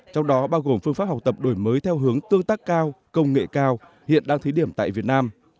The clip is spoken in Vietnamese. trong đó bao gồm phương pháp học tập đổi mới theo hướng tương tác cao công nghệ cao hiện đang thí điểm tại việt nam